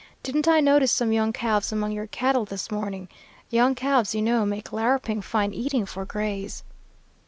Didn't I notice some young calves among your cattle this morning? Young calves, you know, make larruping fine eating for grays.'